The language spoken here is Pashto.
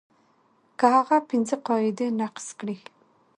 که هغه پنځه قاعدې نقض کړي.